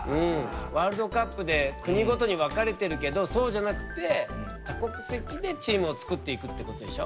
ワールドカップで国ごとに分かれてるけどそうじゃなくて多国籍でチームを作っていくってことでしょ。